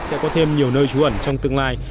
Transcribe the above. sẽ có thêm nhiều nơi trú ẩn trong tương lai